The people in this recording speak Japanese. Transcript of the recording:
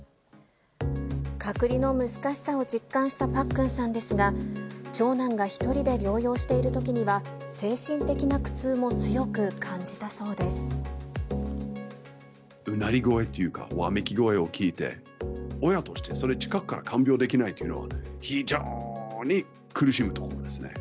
隔離の難しさを実感したパックンさんですが、長男が１人で療養しているときには、精神的な苦うなり声というか、わめき声を聞いて、親として近くから看病できないというのはね、非常に苦しむところですね。